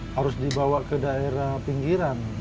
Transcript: harus dibawa ke daerah pinggiran